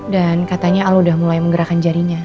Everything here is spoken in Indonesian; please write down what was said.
dan katanya al udah mulai menggerakkan jarinya